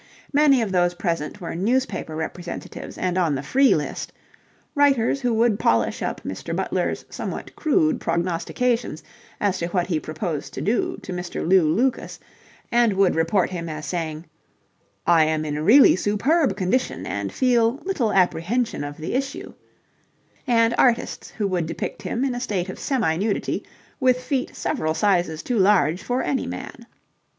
Many of those present were newspaper representatives and on the free list writers who would polish up Mr. Butler's somewhat crude prognostications as to what he proposed to do to Mr. Lew Lucas, and would report him as saying, "I am in really superb condition and feel little apprehension of the issue," and artists who would depict him in a state of semi nudity with feet several sizes too large for any man.